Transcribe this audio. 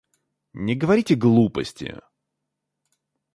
Не говорите глупости.